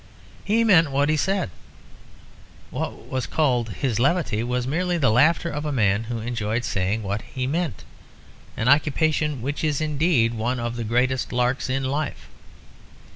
He meant what he said; what was called his levity was merely the laughter of a man who enjoyed saying what he meant an occupation which is indeed one of the greatest larks in life.